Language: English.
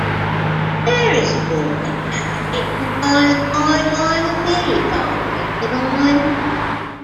There is more to navigating by guide line than merely following the line.